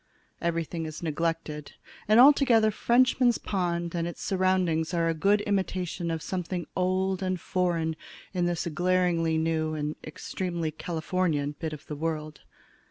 Everything is neglected, and altogether Frenchman's Pond and its surroundings are a good imitation of something old and foreign in this glaringly new and extremely Californian bit of the world.